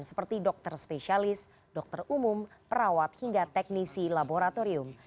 seperti dokter spesialis dokter umum perawat hingga teknisi laboratorium